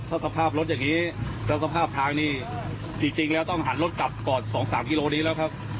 ถ้าสภาพรถอย่างนี้แล้วสภาพทางนี้จริงแล้วต้องหันรถกลับก่อน๒๓กิโลนี้แล้วครับ